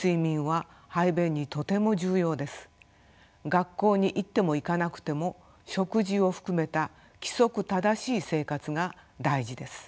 学校に行っても行かなくても食事を含めた規則正しい生活が大事です。